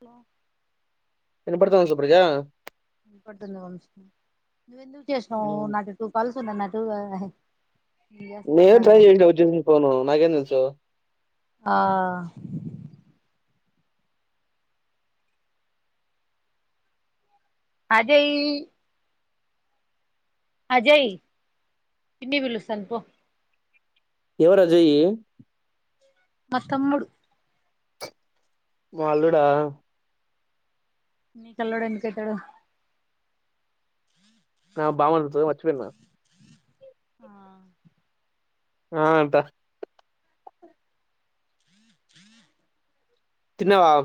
Hello ఇన పడుతు సుప్రజా ఇ పడుతున్న అంష నువ్వెందుకు చేసినావు నాకే టు కాల్స్ పో నన్నటు నేను ట్రై చేసిన వచ్చింది ఫోన్ నాకేం తెలుసు చో ఆ అదే ఈ అజయ్ పిన్ని పిలుస్తాంది పో ఎవ్వరు అజయ్ మా తమ్ముడు మా అల్లుడా నీకు అల్లుడు ఎందుకైతాడు ఆ బామర్ది అయితాడు మర్చిపోయిన ఆ ఆ అంటా తిన్నావా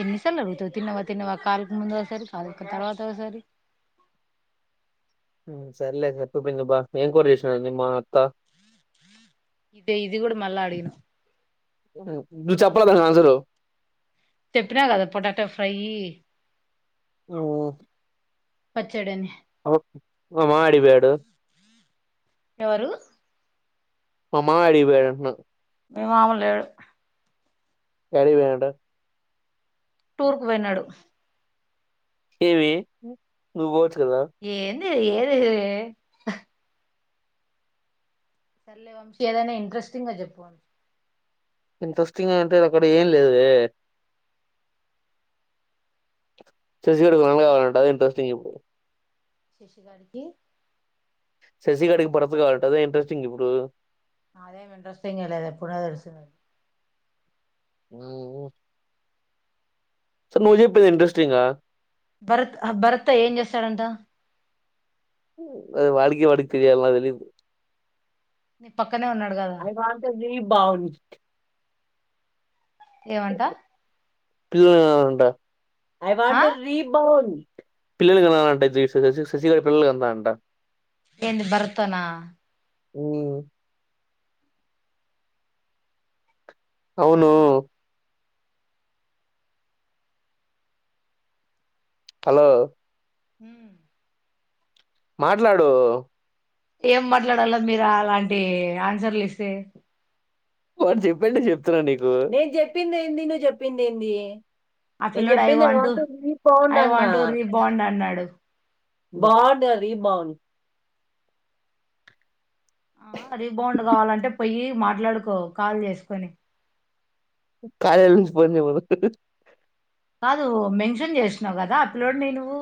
ఎన్నిసార్లు అడుగుతావ్ తిన్నావా తిన్నవా అక్క అంతకు ముందు ఒకసారి కాదు ఒక తర్వాత ఒకసారి మ్మ్ సర్లే అక్క తప్పు అయ్యింది అబ్బ ఏం కూర చేసినారు మీ మా అత్త ఇదే ఇది కూడా మళ్ళా అడిగినా అవున నువ్వు చెప్పల్ల కదా ఆన్సర్ చెప్పినా కదా పొటాటో ఫ్రై ఓ ప మడి బేడు ఎవరు మామా అడిపోడంన్నా మీ మామ లేడు యాడికి పోయినట్టు టూర్కు పోయినాడు ఏవి నువ్ వో చ్ గదా ది ఏంది ఏ హే హే సర్లే వంశీ ఏదైనా ఇంట్రెస్టింగ్ గా చెప్పు ఇంట్రెస్టింగ్ అంటే నా క్కడ ఏం లేదు వే శశి గాడు [unintelligible] వంశీ కావాలంట ఎంటూ తేవు శశి గాడికి శశి గాడికి భరత్ కావాలట అదే ఇంట్రెస్టింగ్ ఇప్పుడు అదే ఏం ఇంట్రెస్టింగా లేదు ఎప్పుడో తెలుసు నాకు ఓ ఓ సార్ నువ్ చెప్పేది ఇంట్రెస్టింగ్ ఆ భరత్ హా భరత్ తో ఏం చేస్తాడంట అది వాడికి వాడికి తెలియాల నాకు తెలీదు నీ పక్కనే ఉన్నాడు కదా అది బాగుంటుంది ది బాగుంన్ ఏమంట పిల్లల్ని కనాలంట ఐ ఆ వాంట్ టు రీబౌంన్ పిల్లల్ని కనాలంట ఇదీ శాసి శశిికళ పిల్లలు కంది అంట ఏంది భరత్ తో నా హుమ్ అవును హలో మ్ హు మాట్లాడు ఏం మాట్లాడల మీరు అలాంటి ఆన్సర్లు ఇస్తే వాడు చెప్పండే చెప్తున్నా నీకు నేను చెప్పింది ఏంది నువ్వు చెప్పింది ఏంది ఆ నేను పిల్లోడు ఐ చెప్పింది want to want rebound I అన్న వాంట్ టు రీ బాండ్ అన్నాడు బాండ్ రీబౌండ్ ఆ రీ బౌండ్ కావాలంటే పొయ్యి మాట్లాడుకో కాల్ చేసుకొని కార్యాల నుంచి ఫోన్ చేయమను కాదు మెన్షన్ చేసినావు కదా ఆ పిల్లోడిని నువ్వు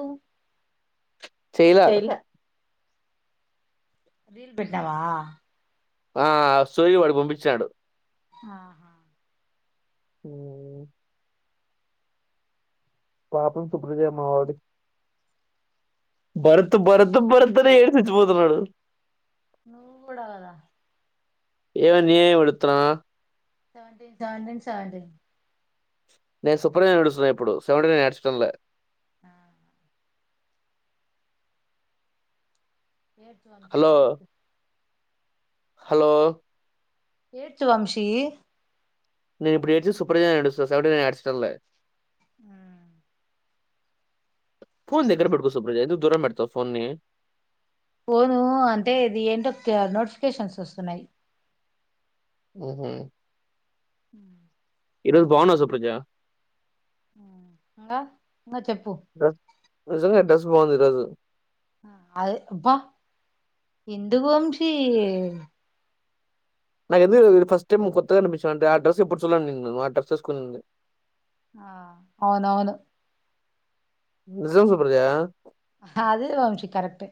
చెయ్ల రీల్ పెట్టినావా ఆ సోయి వాడు పంపించినాడు ఆహా పాపం సుప్రజయ మావాడి బరుత్ బరుత్ నువ్వు బరుత్నే ఇగ తెచ్చిపోతున్నాడు నువ్ కూడా కదా ఏవ న ఉతురా జడి జడిన్ సడిన్ నేను సుప్రజ నేడుస్తున్నాను ఇప్పుడు సెవెంటీ నేడ్చడంలే హా ఏచ వంశి ఏటి హాలో ఏంటి వంశీ నను ఇప్పుడు ఏడుతు సూపర్జడు సవెంటీ నేడ్చడ్ లే ఫోన్ దగ్గర బెట్కో సుప్రజా ఎందుకు దూరం పెడ్తావ్ ఫోన్నీ పోను అంటే ఇది ఏంటో కె నోటిఫికేషన్స్ వస్తున్నాయి హు ఈ రోజు బాగున్నావు సుప్రజ ఇంగా ఇంగా చెప్పు డ్రెస్ నిజంగా డ్రెస్ బాగుంది ఈ రోజు అది అబ్బ ఎందుకు వంశీ నాకెందుకో ఫస్ట్ టైం కొత్తగా కనిపించాను అంటే ఆడ్రస్ ఎప్పుడు చూడాలే నిన్ను ఆ అడ్రస్ వేసుకొని ఆ అవునవును నిజాం సుప్రజ అదే వంశీ కరెక్టే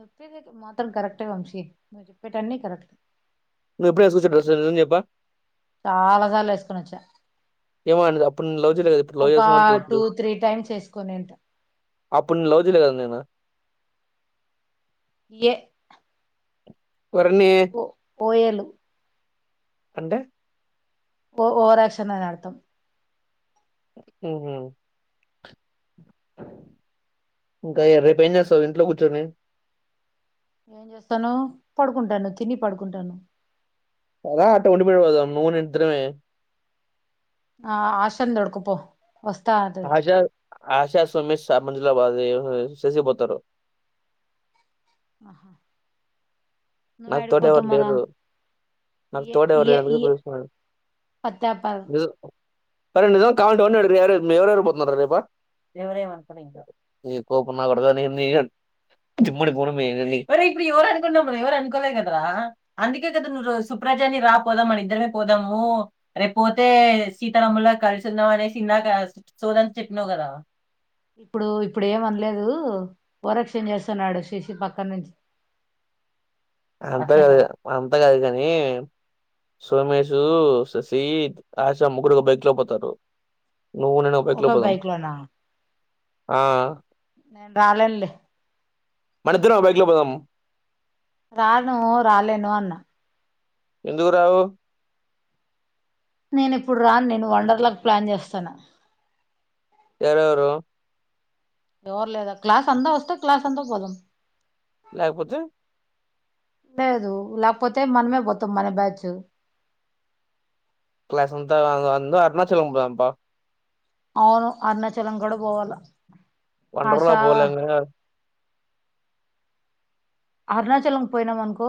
చెప్పేది నువ్వు మాత్రం కరెక్టే వంశీ నువ్వు చెప్పేటన్నీ కరెక్ట్ నువ్వు ఎప్పుడూ నిజం చెయప్ప చాలా సార్లు ఏసుకుని వచ్చా ఎమోలే అప్పుడు నిన్ను లవ్ కదా ఇప్పుడు లవ్ ఒక చేస టూ ఇప్పుడు త్రీ టైమ్స్ వేసుకొనింట అప్పుడు లవ్ చేయలే కద నేను ఎ ఎవరిని పో పోయలు అంటే ఓ ఓవర్ ఆక్షన్ అని అర్థం ఉ ఇంకా రేపు ఏం చేస్తావు ఇంట్లో కూర్చోని ఏం చేస్తాను పడుకుంటాను తిని పడుకుంటాను అదా అట్ట కొంట మీద పోదాం నువు నేను ఇద్దరమే ఆ ఆశ నీ తోడుకొనిపో ఆశ ఆశా సుమిష్ స మజలా బ చేసిపోతారు ఆహా నువ్వు నాకు యాడికి తోడ ఎవరు పోతావ్ మరా లేరు నాకు ఇయ తోడ ఎవరు ఇయ లేరు అందుకే ఇయ పిలుస్తాను పత్తాప కావాలి అంటే ఎవరు ఎవరు పోతున్నారా రేపు ఎవరో ఏమి పా ఇంకా ఈ కొవ్వు నా కొడుకు నీ జిమ్మాడి పోని అరే ఎవరు అడుగుతున్నారు రా లే కదరాా అందుకే కదా నువ్వు సుప్రాజాన్ని రా పోదాం మన ఇద్దరమే పోదాము రేపు పోతే సీతారాములా కలిసిందాం అనేసి నాక సోది అంత చెప్పినావు కదా ఇప్పుడూ ఇప్పుడు ఏమనలేదూ ఓవరాక్షన్ చేస్తున్నాడు శశి పక్కన నుంచి. అంత గాదు అంతా గాదు కానీ సోమేశూ, శశీ, ఆశ ముగ్గురు ఒక బైక్ లో పోతారు. నువ్వు నేను ఒక బైక్ లో పోదాం. ఆ నేన్ రాలేను లే. మనిద్దరం ఒక బైక్లో పోదాం. రానూ రాలేను అన్నా. ఎందుక్రావూ. నేన్ ఇప్పుడు రాన్ నేను వండర్ లాక్ ప్లాన్ చేస్తున్న. ఎవరెవరూ. ఎవరు లేదా క్లాస్ అంతా వస్తే క్లాస్ అంతా పోదాం. లేకపోతే. లేదూ. లేకపోతే మనమే పోతాం మన బ్యాచు. క్లాస్ంతా గాదు అందరం అరుణాచలం పోదాం పా. అవును అరుణాచలం గూడా పోవాల. ఆశ వండర్లా పోలేంగా అరుణాచలం పోయినాం అనుకో,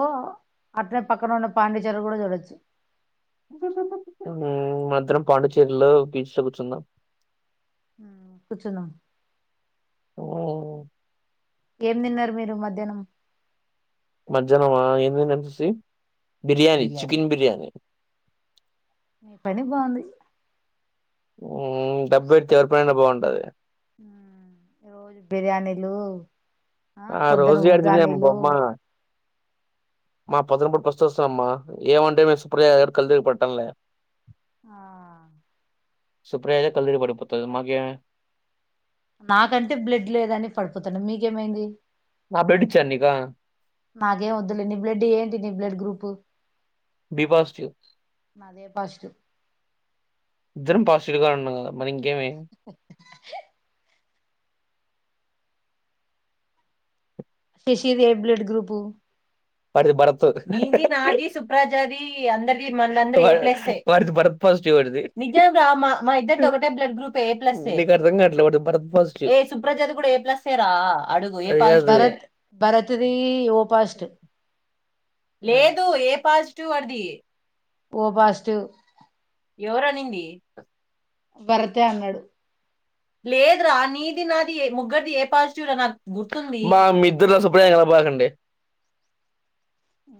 అట్నే పక్కన ఉన్న పాండిచర్రీ కూడా చూడొచ్చు. ఊ మన్నిద్దరం పాండిచ్చేరిలో బీచ్ లో కూర్చుందాం. ఊ కూర్చుందం. ఓ ఏం తిన్నారు మీరు మధ్యాహ్నం. మధ్యాహ్నం ఆ ఏం తిన్నాం శశీ బిర్యానీ చికెన్ బిర్యానీ. నీ పని బాగుంది. ఊ డబ్బు పెడితే ఎవరి పనైనా బాగుంటాది. ఆ రోజు బిర్యానీలూ. ఆ రోజు గాడిద మీదనే అమ్మ బొమ్మా. మా పొదునపూట పస్తు వస్తున్నా అమ్మా. ఏమంటే మెస్ [unintelligible] పడటంలే. ఆ సుప్రజ అయితే కళ్ళు తిరిగి పడిపోతది మాక్ ఏమీ నాకంటే బ్లడ్ లేదని పడిపోతున్న మీకేమైంది. నా బ్లడ్ ఇచ్చాను నీకా నాకేం వద్దులే, నీ బ్లడ్ ఈ ఏంటి నీ బ్లడ్ గ్రూపు. బి పాజిటివ్ నాది ఏ పాజిటివ్. ఇద్దరం పాజిటివ్ గానే ఉన్నాం గదా. మరి ఇంక్ ఏమై శశిది ఏ బ్లడ్ గ్రూపూ. వాడిది భరత్. వాడిది భరత్ పాజిటివ్ వాడిది. నీక్ అర్ధం కావట్లే వాడిది భరద్వాజ్ గ్రూప్ సుప్రజా ది కూడా ఏ ప్లస్సే రా. అడుగ్ భరత్ భరత్ది ఈ ఓ పాజిటివ్. లేదూ ఏ పాజిటివ్ వాడిది. O positive. ఎవరనిందీ. భరతే అన్నాడు. లేదురా నీది నాది ఏ ముగ్గరిది ఏ పాజిటివ్ రా నాకు గుర్తుందీ. అబ్బా మీ ఇద్దరు అసల్ సప్పుడుదేక అరవ బాకండి. ఆఓ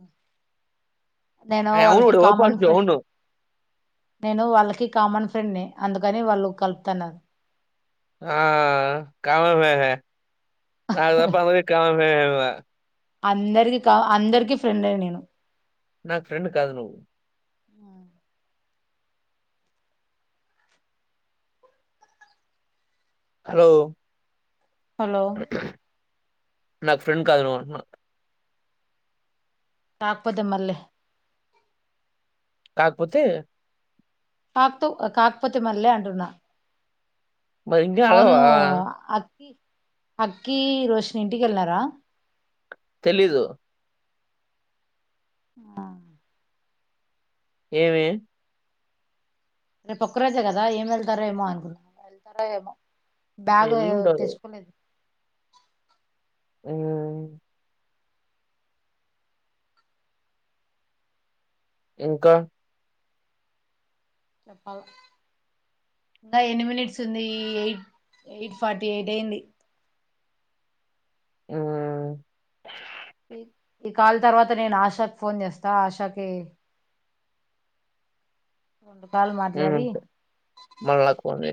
నేను అవును వాళ్ళకి వాడు ఓ కామన్ పాజిటివ్ ఫె అవును నేను వాళ్ళకి కామన్ ఫ్రెండ్ ని అందుకని వాళ్ళు కలుపుతన్నారు ఆ కామన్ ఆల్ అదప్ప అ కా వ అందరికి కా అందరికి ఫ్రెండ్ అ నేను నాకు ఫ్రెం కాదు ను్ హలో హలో నాకు ఫ్రెండ్ కాదు నువ్వు [unintelligible] కాకపోతే మళ్ళీ కాకపోతే కక్తు కాకపోతే మాన్లే అంటన్నా మరి ఇంకా అవును అడగవా అక్కి అకి రోషని ఇంటిక వెళ్లారా తెలీదు ఆ ఏమి రేపు ఒక్కరేజే కదా ఏం వెళ్తారో ఏమో అనుకున్నా ఏం వెళ్తారో ఏమో బ్యాగు ఏం ఎల్లుంటారు తెచ్చుకునేది మ్మ్ ఇంకా చెప్పాలా ఇంకా ఎన్ని మినిట్స్ ఉంది ఎయిట్ ఎయిట్ ఫార్టీ ఎయిట్ అయింది మ్మ్ ఈ ఈ కాల్ తర్వాత నేను ఆశాకి ఫోన్ చేస్తా ఆశాకి మ్మ్ మల్లా కొని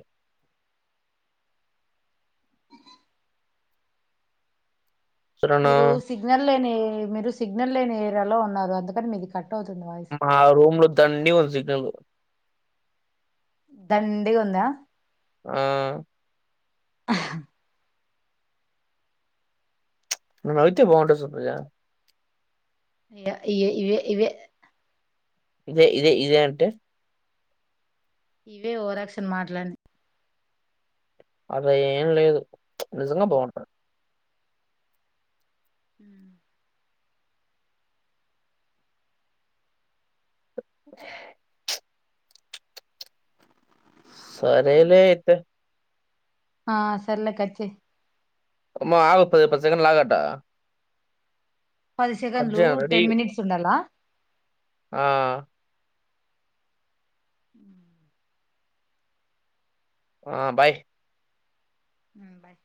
సురను మీరు సిగ్నల్ లేని నీ మీరు సిగ్నల్ లేని ఏరియాలో ఉన్నారు అందుకని మీది కట్ అవుతుంది వాయిస్ మా రూమ్ లో దండి వస్ సిగ్నల్ దండిగా ఉందా ఆ నువ్వు నవ్వితే బాగుంటావు సుప్రజ ఇగ ఇయే ఇ ఇవే ఇవే ఇదే ఇదే ఇదే అంటే ఇవే ఓవరాక్షన్ మాటలన్నీ అలా ఏం లేదు నిజంగా బాగుంటది సరేలే అయితే ఆ సర్లే కట్ చెయ్ అమ్మ ఆగు పది పది సెకండ్లు ఆగట్ట పది సెకండ్లు రెడీ టెన్ మినిట్స్ ఉండాలా ఆ మ్మ్ ఆ బాయ్ మ్మ్ బాయ్